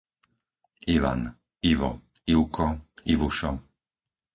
Ivan, Ivo, Ivko, Ivušo